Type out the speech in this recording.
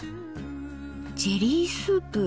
ジェリースープ。